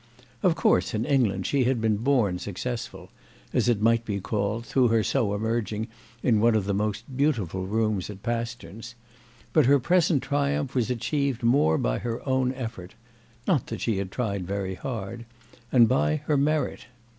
Of course in England she had been born successful, as it might be called, through her so emerging in one of the most beautiful rooms at Pasterns; but her present triumph was achieved more by her own effort—not that she had tried very hard—and by her merit.